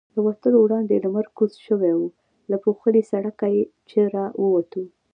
له وتلو وړاندې لمر کوز شوی و، له پوښلي سړکه چې را ووتو.